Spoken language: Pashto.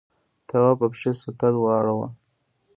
تواب په پښې سطل واړاوه.